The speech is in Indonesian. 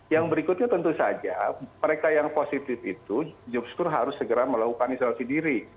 yang berikutnya tentu saja mereka yang positif itu justru harus segera melakukan isolasi diri